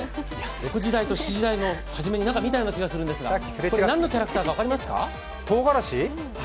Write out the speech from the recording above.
６時台と７時台の初めに見たんですが、これ、何のキャラクターか分かりますか？